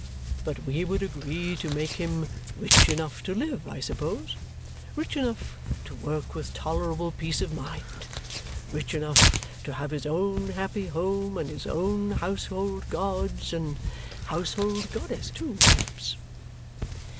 But we would agree to make him rich enough to live, I suppose? Rich enough to work with tolerable peace of mind? Rich enough to have his own happy home and his own household gods and household goddess, too, perhaps?"